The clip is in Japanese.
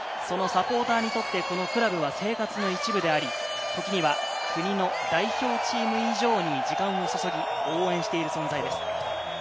そのサポーターにとってこのクラブは生活の一部であり、時には国の代表チーム以上に時間を注ぎ、応援している存在です。